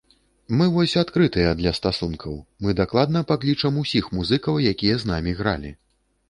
Мы вось адкрытыя для стасункаў, мы дакладна паклічам усіх музыкаў, якія з намі гралі.